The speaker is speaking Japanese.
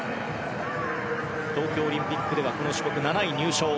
東京オリンピックではこの種目、７位入賞。